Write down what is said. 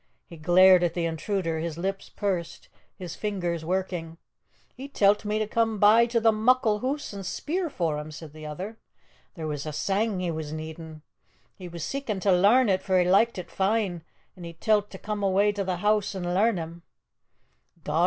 He glared at the intruder, his lips pursed, his fingers working. "He tell't me to come in by to the muckle hoose and speer for him," said the other. "There was a sang he was needin'. He was seekin' to lairn it, for he liket it fine, an' he tell't me to come awa' to the hoose and lairn him. Dod!